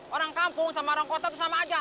orang kampung sama orang kota itu sama aja